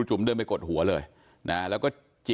โอ้โหโอ้โหโอ้โหโอ้โหโอ้โหโอ้โห